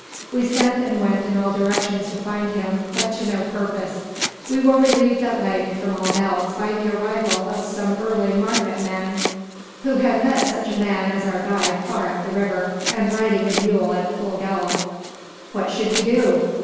We sent and went in all directions to find him, but to no purpose. We were relieved at length from all doubts by the arrival of some early market men, who had met such a man as our guide far up the river, and riding a mule at full gallop. What should we do?